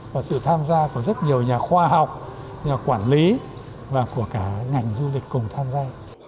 và sự tham gia của rất nhiều nhà khoa học nhà quản lý và của cả ngành du lịch cùng tham gia